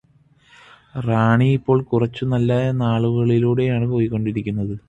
റാണിയിപ്പോൾ കുറച്ച് നല്ല നാളുകളിലൂടെയാണ് പോയികൊണ്ടിരിക്കുന്നത്